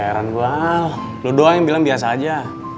heran gua lo doang yang bilang biasa aja